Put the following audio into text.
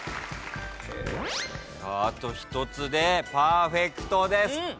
あと１つでパーフェクトです。